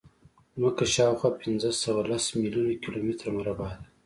ځمکه شاوخوا پینځهسوهلس میلیونه کیلومتره مربع ده.